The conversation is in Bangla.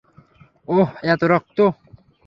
ওহ, এত রক্ত!